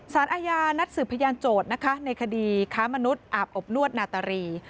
สารอาญานัดสืบพยานโจทย์นะคะในคดีค้ามนุษย์อาบอบนวดนาตารี